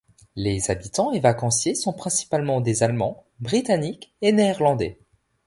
Les habitants et vacanciers sont principalement des Allemands, Britanniques et Néerlandais.